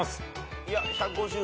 いや１５０でも。